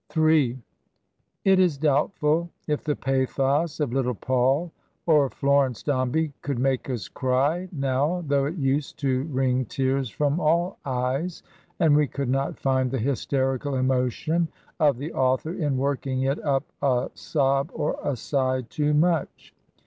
m It is doubtful if the pathos of Little Paul or Florence Dombey could make us cry, now, though it used to wring tears from all eyes, and we could not find the hysterical emotion of the author in working it up a sob or a sigh too much.